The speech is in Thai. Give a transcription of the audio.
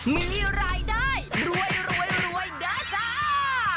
มีรายได้รวยด้าสาว